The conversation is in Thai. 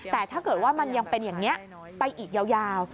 แต่ถ้าเกิดว่ามันยังเป็นอย่างนี้ไปอีกยาว